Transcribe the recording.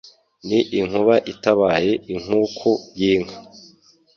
Ni inkuba itabaye inkuku y,inka